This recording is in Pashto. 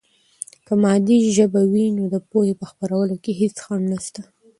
که مادي ژبه وي، نو د پوهې په خپرولو کې هېڅ خنډ نسته.